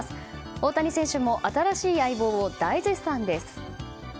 大谷選手も新しい相棒を大絶賛です。